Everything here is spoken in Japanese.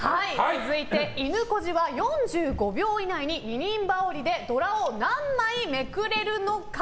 続いて、いぬこじは４５秒以内に二人羽織でドラを何枚めくれるのか。